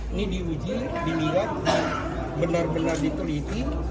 ini diuji dilihat dan benar benar diteliti